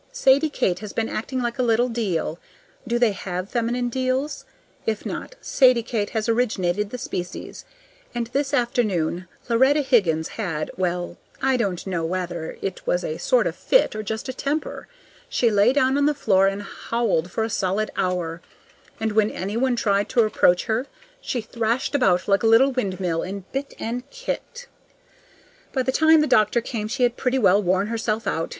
Sadie Kate has been acting like a little deil do they have feminine deils? If not, Sadie Kate has originated the species. And this afternoon Loretta Higgins had well, I don't know whether it was a sort of fit or just a temper. She lay down on the floor and howled for a solid hour, and when any one tried to approach her, she thrashed about like a little windmill and bit and kicked. By the time the doctor came she had pretty well worn herself out.